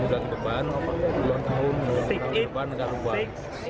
kemudian depan dua tahun dua tahun depan ada ruang